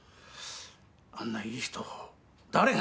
あんないい人を誰が。